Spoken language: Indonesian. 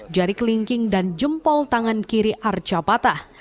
jari kelingking dan jempol tangan kiri arca patah